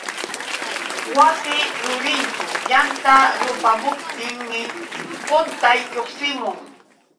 Wasi rurinćhu yanta rupamuptinmi quntay lluqsimun.